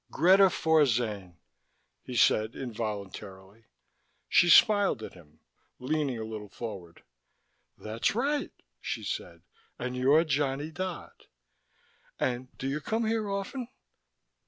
"Greta Forzane," he said involuntarily. She smiled at him, leaning a little forward. "That's right," she said. "And you're Johnny Dodd. And do you come here often?"